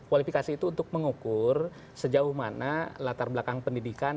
kualifikasi itu untuk mengukur sejauh mana latar belakang pendidikan